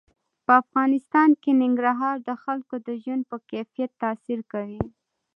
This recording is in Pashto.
په افغانستان کې ننګرهار د خلکو د ژوند په کیفیت تاثیر کوي.